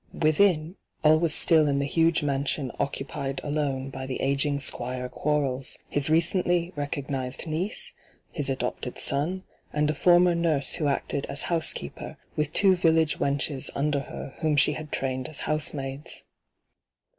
Within, all was still in the huge mansion occupied alone by the aging Squire Quarles, his recently recognised niece, his adopted son, and a former nurse who acted as housekeeper, with two village wenches under her whom she had trained as housemaids.